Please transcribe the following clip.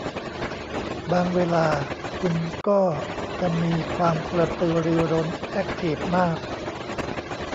บางเวลาคุณก็จะมีความกระตือรือร้นแอ็คทีฟมาก